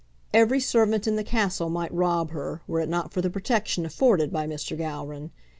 Every servant in the castle might rob her, were it not for the protection afforded by Mr. Gowran.